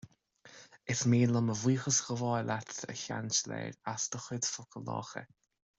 Is mian liom mo bhuíochas a ghabháil leatsa, a Seansailéir, as do chuid focail lácha